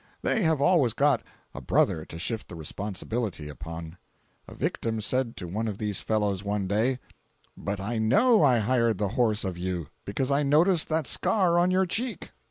They have always got a "brother" to shift the responsibility upon. A victim said to one of these fellows one day: "But I know I hired the horse of you, because I noticed that scar on your cheek."